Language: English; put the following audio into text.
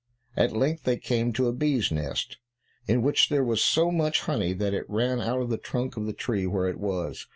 At length they came to a bee's nest, in which there was so much honey that it ran out of the trunk of the tree where it was.